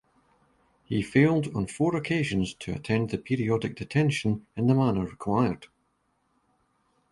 He failed on four occasions to attend the periodic detention in the manner required.